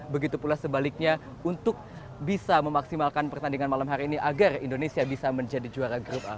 begitu pula sebaliknya untuk bisa memaksimalkan pertandingan malam hari ini agar indonesia bisa menjadi juara grup a